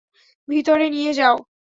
ভিতরে নিয়ে যাও!